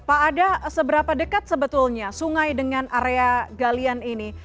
pak ada seberapa dekat sebetulnya sungai dengan area galian ini